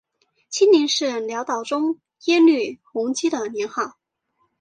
清宁是辽道宗耶律洪基的年号。